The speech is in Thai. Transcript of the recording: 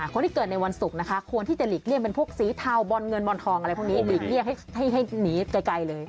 คนที่เกิดในวันศุกร์นะคะควรที่จะหลีกเลี่ยงเป็นพวกสีเทาบอลเงินบอลทองอะไรพวกนี้หลีกเลี่ยงให้หนีไกลเลย